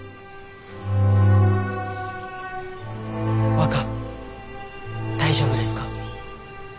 若大丈夫ですか？